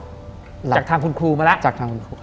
จากทางคุณครูมาแล้ว